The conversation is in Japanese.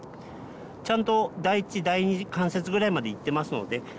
ちゃんと第一第二関節ぐらいまでいってますので。